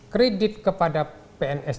kredit kepada pns